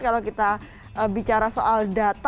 kalau kita bicara soal data